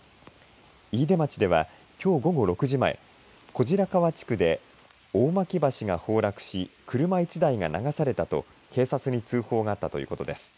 飯豊町では、きょう午後６時前小白川地区で大巻橋が崩落し車１台が流されたと警察に通報があったということです。